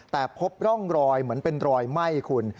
แต่พบร่องรอยเหมือนเป็นรอยไหม้คุณ